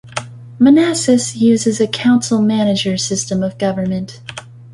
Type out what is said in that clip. Manassas uses a council-manager system of government.